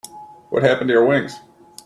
What happened to your wings?